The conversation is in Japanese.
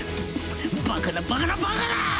ババカなバカなバカな！